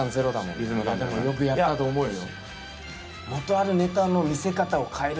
でもよくやったと思うよ。